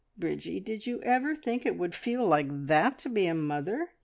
Bridgie, did you ever think it would feel like that to be a mother?